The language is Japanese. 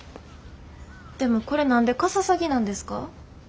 でもこれ何でかささぎなんですか？